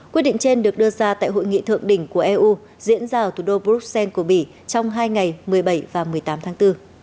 quyết định trên được đưa ra tại hội nghị thượng đỉnh của eu diễn ra ở thủ đô bruxelles của bỉ trong hai ngày một mươi bảy và một mươi tám tháng bốn